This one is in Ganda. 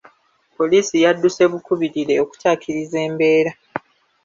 Poliisi yadduse bukubirire okutaakiriza embeera.